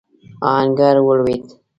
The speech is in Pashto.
آهنګر ولوېد.